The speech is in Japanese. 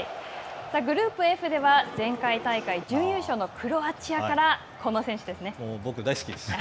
グループＦでは、前回大会、準優勝のクロアチアから僕、大好きです。